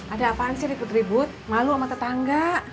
ada apaan sih ribut ribut malu sama tetangga